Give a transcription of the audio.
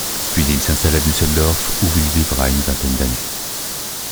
Puis il s'installe à Düsseldorf où il vivra une vingtaine d'années.